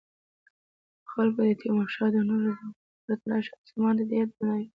خلکو د تیمورشاه د نورو زامنو په پرتله شاه زمان ته ډیر درناوی کاوه.